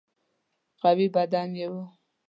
قوي بدن یې وو.